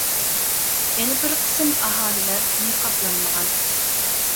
يەنە بىر قىسىم ئاھالىلەر نىقابلانمىغان.